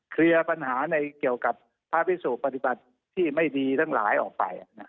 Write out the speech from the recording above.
เคลียร์ปัญหาในเกี่ยวกับพระพิสุปฏิบัติที่ไม่ดีทั้งหลายออกไป